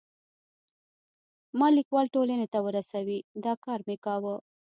ما لیکوالو ټولنې ته ورسوی، دا کار مې کاوه.